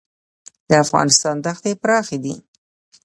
د افغانستان دښتې پراخې دي